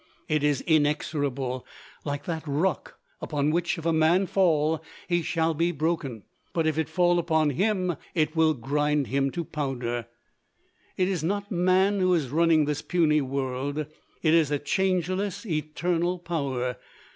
It is inexorable, like "that rock, upon which if a man fall, he shall be broken, but if it fall upon him, it will grind him to powder." It is not man who is running this puny world; it is a changeless, eternal Power.